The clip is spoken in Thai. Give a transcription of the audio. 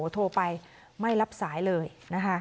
โทรไปไม่รับสายเลยนะคะ